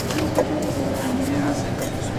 ښې خبرې د درناوي نښه ده.